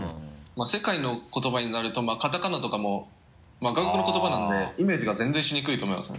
世界の言葉になるとカタカナとかもまぁ外国の言葉なんでイメージが全然しにくいと思いますね。